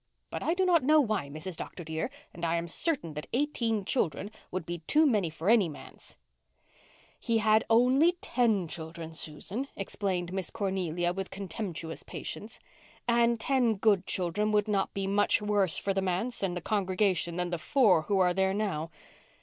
But I do not know why, Mrs. Dr. dear, and I am certain that eighteen children would be too many for any manse." "He had only ten children, Susan," explained Miss Cornelia, with contemptuous patience. "And ten good children would not be much worse for the manse and congregation than the four who are there now.